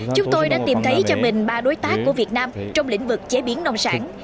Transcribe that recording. chúng tôi đã tìm thấy cho mình ba đối tác của việt nam trong lĩnh vực chế biến nông sản